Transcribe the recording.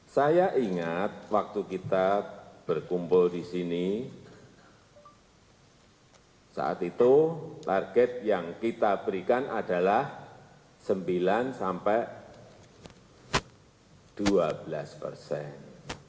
saya ingat waktu kita berkumpul di sini saat itu target yang kita berikan adalah sembilan sampai dua belas persen